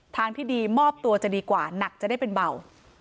ทางที่ดีมอบตัวจะดีกว่าหนักจะได้เป็นเบา